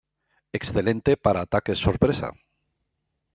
Excelente para ataques sorpresa.